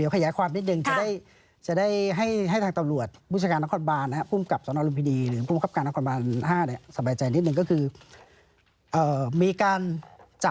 แสนห้าที่สอนอพื้นพินีรับเหรอคะ